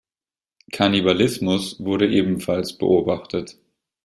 Kannibalismus wurde ebenfalls beobachtet.